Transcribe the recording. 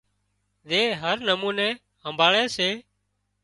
زي هر نموني همڀاۯي سي